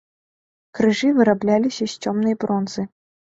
Крыжы вырабляліся з цёмнай бронзы.